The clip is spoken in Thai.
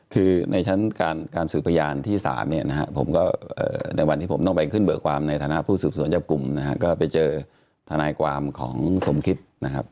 คือในชั้นการสืบพยานที่๓ผมก็ในวันที่ผมต้องไปขึ้นเบื่อความในฐานะผู้สูญสวนเจ็บกลุ่มก็ไปเจอทนายความของสมคิดนะครับ